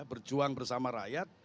berjuang bersama rakyat